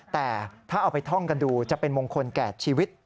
แต่ถ้าเอาไปท่องกันดูจะเป็นมงคลแก่ชีวิต